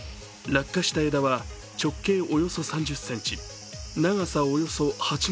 落下した枝は、直径およそ３０ｃｍ、長さおよそ８ｍ。